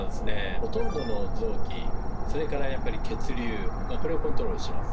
ほとんどの臓器それからやっぱり血流これをコントロールします。